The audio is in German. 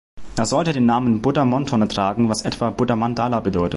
Er sollte den Namen Buddha Monthon tragen, was etwa „Buddha Mandala“ bedeutet.